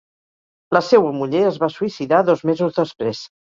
La seua muller es va suïcidar dos mesos després.